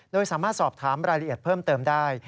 โดยสามารถสอบถามรายละเอียดเพิ่มเติมได้